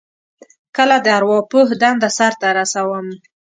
کله د ارواپوه دنده سرته رسوم.